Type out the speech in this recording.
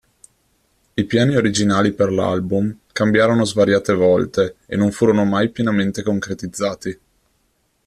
I piani originali per l'album cambiarono svariate volte e non furono mai pienamente concretizzati.